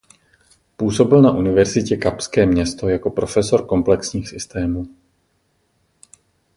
Působil na Univerzitě Kapské město jako profesor komplexních systémů.